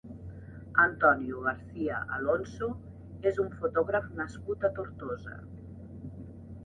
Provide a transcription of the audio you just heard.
Antonio García Alonso és un fotògraf nascut a Tortosa.